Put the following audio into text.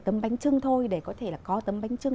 tấm bánh trưng thôi để có thể là có tấm bánh trưng